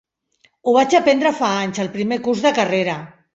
Ho vaig aprendre fa anys, al primer curs de carrera.